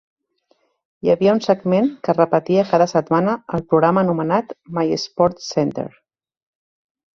Hi havia un segment que es repetia cada setmana al programa anomenat My SportsCenter.